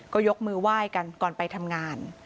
ก็ยกมือไหว้กันก่อนไปทำงาน